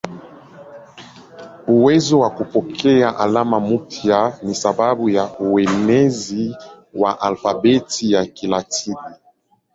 Uwezo wa kupokea alama mpya ni sababu ya uenezi wa alfabeti ya Kilatini.